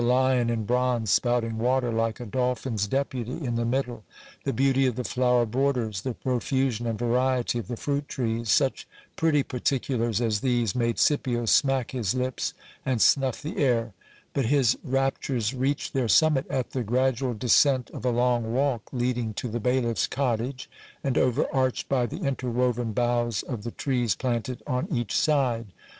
345 lion in bronze spouting water like a dolphin's deputy in the middle, the beauty of the flower borders, the profusion and variety of the fruit trees ; such pretty particulars as these made Scipio smack his lips and snuff the air ; but his rap tures reached their summit at the gradual descent of a long walk, leading to the bailiffs cottage, and over arched by the intenvcsen boughs of the trees planted on each side.